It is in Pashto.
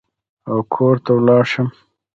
او کور ته ولاړ شم.